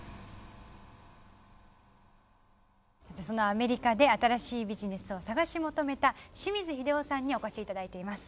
アメリカで新しいビジネスを探し求めた清水秀雄さんにお越し頂いています。